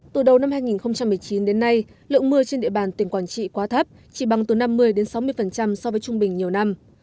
từ đầu năm hai nghìn một mươi chín đến nay lượng mưa trên địa bàn tỉnh quảng trị quá thấp chỉ bằng từ năm mươi sáu mươi so với trung bình nhiều năm